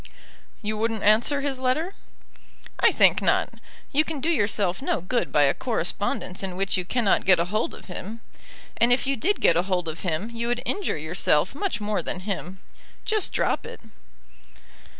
"You wouldn't answer his letter." "I think not. You can do yourself no good by a correspondence in which you cannot get a hold of him. And if you did get a hold of him you would injure yourself much more than him. Just drop it."